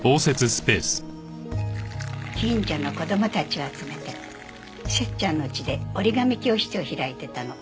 近所の子供たちを集めてセッちゃんの家で折り紙教室を開いてたの。